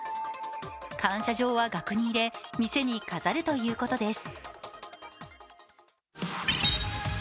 感謝状は額に入れ、店に飾るということです。